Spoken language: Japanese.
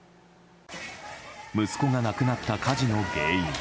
息子が亡くなった火事の原因。